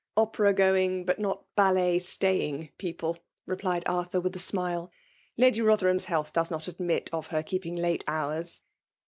'*" Opera going, but not ballet staying peo ple," replied Arthur with a smile. " Lady Rotherham's health does not adtnit of het keeping late hours."